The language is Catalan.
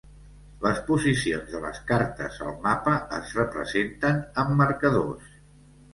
Les posicions de les cartes al mapa es representen amb marcadors.